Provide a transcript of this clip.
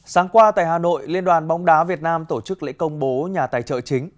sáng qua tại hà nội liên đoàn bóng đá việt nam tổ chức lễ công bố nhà tài trợ chính